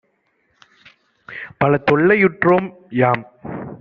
பலதொல் லையுற்றோம் - யாம்